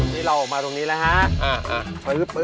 นี่เราออกมาตรงนี้แล้วฮะ